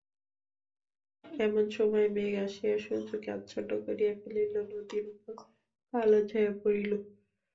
এমন সময়ে মেঘ আসিয়া সূর্যকে আচ্ছন্ন করিয়া ফেলিল, নদীর উপর কালো ছায়া পড়িল।